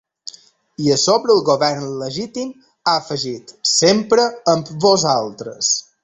I sobre el govern legítim ha afegit: ‘Sempre amb vosaltres!’